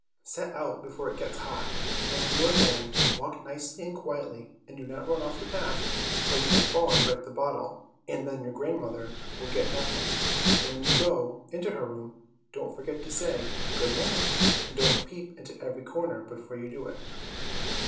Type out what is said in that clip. Set out before it gets hot, and when you are going, walk nicely and quietly and do not run off the path, or you may fall and break the bottle, and then your grandmother will get nothing; and when you go into her room, don't forget to say, 'Good morning,' and don't peep into every corner before you do it."